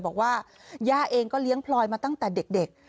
บอกว่าย่าเองก็เลี้ยงพลอยมาตั้งแต่เด็ก